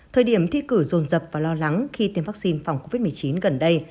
thời điểm thi cử rồn rập và lo lắng khi tiêm vaccine phòng covid một mươi chín gần đây